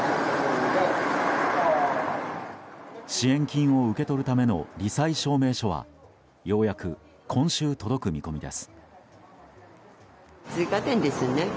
支援金を受け取るための罹災証明書はようやく今週届く見込みです。